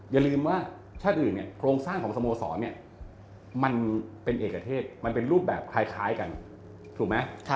อย่าลืมว่าชาติอื่นเนี่ยโครงสร้างของสโมสรเนี่ยมันเป็นเอกเทศมันเป็นรูปแบบคล้ายกันถูกไหม